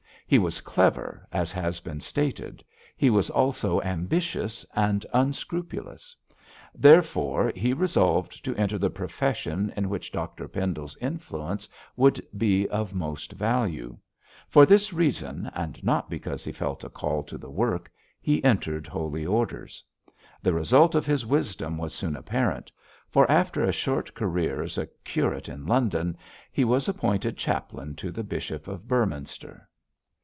He was clever, as has been stated; he was also ambitious and unscrupulous; therefore he resolved to enter the profession in which Dr Pendle's influence would be of most value. For this reason, and not because he felt a call to the work, he entered holy orders. The result of his wisdom was soon apparent, for after a short career as a curate in London, he was appointed chaplain to the Bishop of Beorminster.